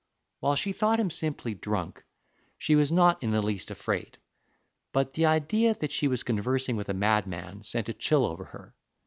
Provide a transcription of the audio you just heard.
While she thought him simply drunk, she was not in the least afraid; but the idea that she was conversing with a madman sent a chill over her.